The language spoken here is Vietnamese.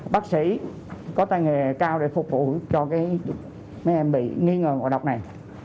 bác sĩ có tài nghề cao để phục vụ cho mấy em bị nghi ngờ ngọt độc này